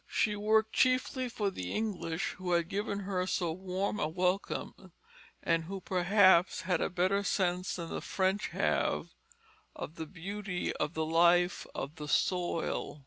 She worked chiefly for the English, who had given her so warm a welcome, and who, perhaps, had a better sense than the French have, of the beauty of the life of the soil.